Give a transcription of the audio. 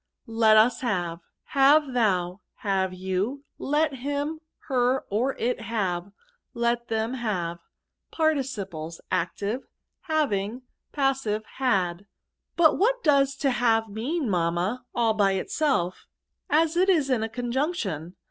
Let us have* Have thou. Have you. Letliim, her, or it have. Let them have. Particiflxs. Active. — Having. Patsive. — Had. '' But what does to have mean^ mammay all by itself^ as it is in the conjugation